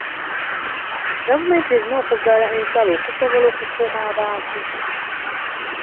Gavumenti erina okuggala ensalo okusobola okukuuma abantu.